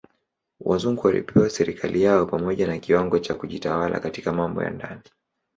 Wazungu walipewa serikali yao pamoja na kiwango cha kujitawala katika mambo ya ndani.